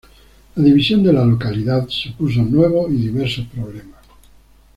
La división de la localidad supuso nuevos y diversos problemas.